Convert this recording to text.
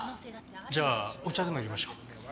じゃあお茶でもいれましょう。